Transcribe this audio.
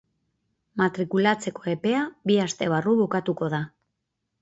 Matrikulatzeko epea bi aste barru bukatuko da.